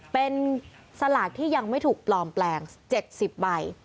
เป็นสลากที่ยังไม่ถูกปลอมแปลง๗๐ใบ